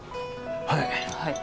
はい！